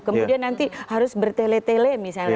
kemudian nanti harus bertele tele misalnya